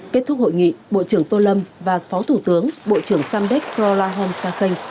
kết thúc hội nghị bộ trưởng tô lâm và phó thủ tướng bộ trưởng samdech krolahom sakhanh